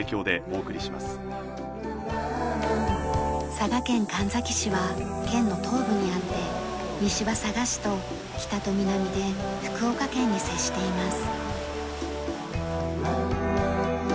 佐賀県神埼市は県の東部にあって西は佐賀市と北と南で福岡県に接しています。